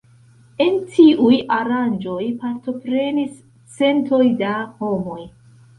En tiuj aranĝoj partoprenis centoj da homoj.